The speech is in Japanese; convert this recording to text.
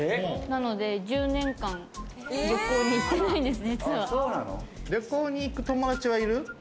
なので１０年間、旅行に行く友達はいる？